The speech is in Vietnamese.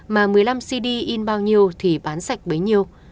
mà một mươi năm cd in bao nhiêu thì bán sạch bấy nhiêu